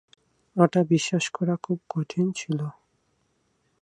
ওটা বিশ্বাস করা খুব কঠিন ছিল।